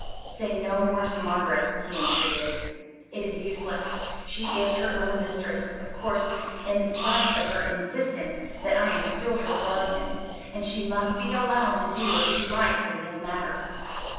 "Say no more to Margaret," he entreated. "It is useless. She is her own mistress, of course, in spite of her insistence that I am still her guardian; and she must be allowed to do as she likes in this matter.